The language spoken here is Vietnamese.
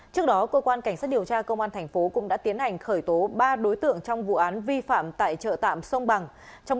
trước đó cơ quan cảnh sát điều tra công an thành phố cũng đã tiến hành khởi tố ba đối tượng trong vụ án vi phạm tại chợ tạm sông bằng